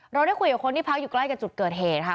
เราได้คุยกับคนที่พักอยู่ใกล้กับจุดเกิดเหตุค่ะ